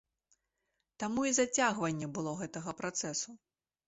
Таму і зацягванне было гэтага працэсу.